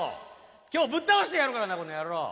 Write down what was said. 今日ぶっ倒してやるからなこの野郎！